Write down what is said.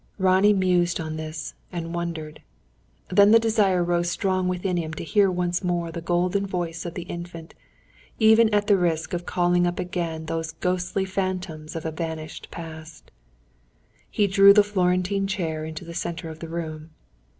Ronnie mused on this, and wondered. Then the desire rose strong within him to hear once more the golden voice of the Infant, even at the risk of calling up again those ghostly phantoms of a vanished past. He drew the Florentine chair into the centre of the room.